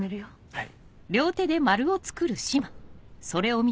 はい。